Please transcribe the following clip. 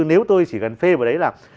nếu tôi chỉ cần phê vào đấy là